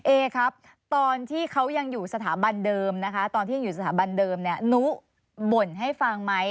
เอครับตอนที่เขายังอยู่สถาบันเดิมนะคะตอนที่ยังอยู่สถาบันเดิมเนี่ยนุบ่นให้ฟังไหม